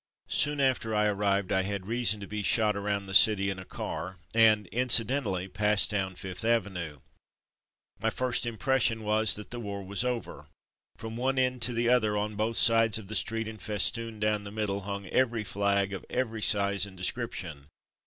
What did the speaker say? Soon after I arrived I had reason to be shot around the city in a car and, incident ally, passed down Fifth Avenue. My first impression was that the war was over. From one end to the other, on both sides of the street and festooned down the middle, hung every flag of every size and description.